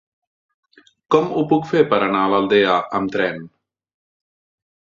Com ho puc fer per anar a l'Aldea amb tren?